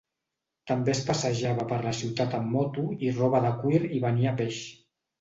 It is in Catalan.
També es passejava per la ciutat amb moto i roba de cuir i venia peix.